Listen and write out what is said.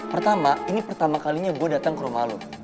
pertama ini pertama kalinya gue datang ke rumah lo